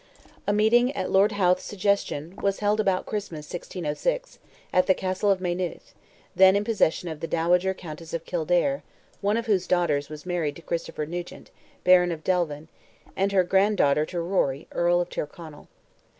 A meeting, at Lord Howth's suggestion, was held about Christmas, 1606, at the Castle of Maynooth, then in possession of the dowager Countess of Kildare, one of whose daughters was married to Christopher Nugent, Baron of Delvin, and her granddaughter to Rory, Earl of Tyrconnell.